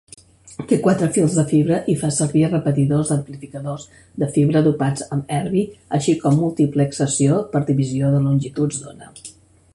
Té quatre fils de fibra i fa servir repetidors amplificadors de fibra dopats amb erbi, així com multiplexació per divisió de longituds d'ona.